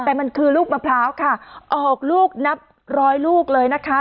แต่มันคือลูกมะพร้าวค่ะออกลูกนับร้อยลูกเลยนะคะ